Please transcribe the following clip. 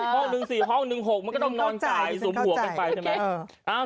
ห้องหนึ่งสี่ห้องหนึ่งหกมันก็ต้องนอนใจสุมหัวแปลกใช่ไหม